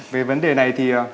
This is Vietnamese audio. về vấn đề này thì